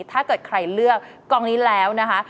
ถ้าเกิดใครเลือกกองนี้แล้วนะคะ